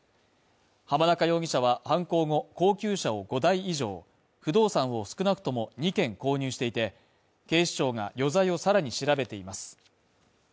浜中容疑者は犯行後、高級車を５台以上、不動産を少なくとも２件購入していて、警視庁が余罪をさらに調べています。